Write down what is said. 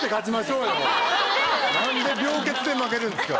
なんで病欠で負けるんすか。